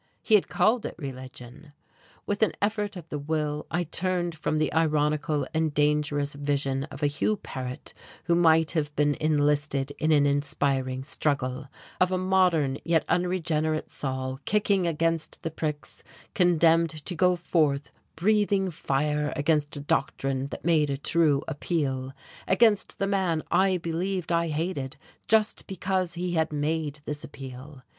He had called it religion. With an effort of the will I turned from this ironical and dangerous vision of a Hugh Paret who might have been enlisted in an inspiring struggle, of a modern yet unregenerate Saul kicking against the pricks, condemned to go forth breathing fire against a doctrine that made a true appeal; against the man I believed I hated just because he had made this appeal.